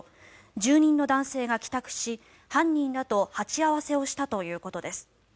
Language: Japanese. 住人の男性が帰宅し、犯人らと鉢合わせをしたということです。